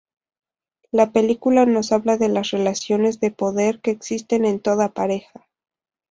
La película nos habla de las relaciones de poder que existen en toda pareja.